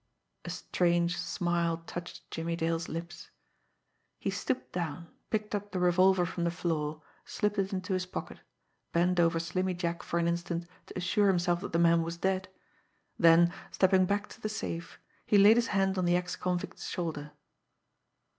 A strange smile touched Jimmie Dale's lips. He stooped down, picked up the revolver from the floor, slipped it into his pocket, bent over Slimmy Jack for an instant to assure himself that the man was dead then stepping back to the safe, he laid his hand on the ex convict's shoulder.